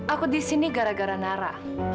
aku di sini gara gara nara